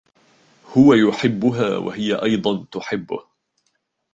هو يحبها و هي أيضا تحبه.